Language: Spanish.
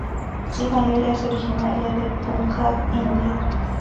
Su familia es originaria de Punjab, India.